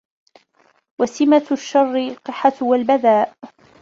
وَسِمَةُ الشَّرِّ الْقِحَةُ وَالْبَذَاءُ